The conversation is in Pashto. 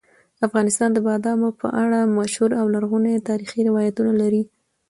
افغانستان د بادامو په اړه مشهور او لرغوني تاریخي روایتونه لري.